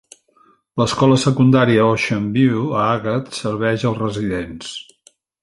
L'escola secundària Oceanview a Agat serveix els residents.